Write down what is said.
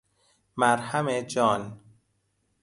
مرهم جان